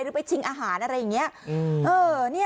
หรือไปชิงอาหารอะไรอย่างนี้